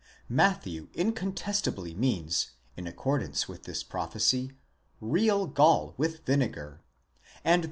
Matthew incontestably means, in accordance with this prophecy, real gall with vinegar, and the comparison 12 Adv.